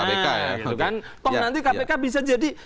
nanti kpk bisa jadi